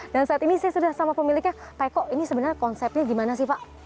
dan saat ini saya sudah sama pemiliknya pak eko ini sebenarnya konsepnya gimana sih pak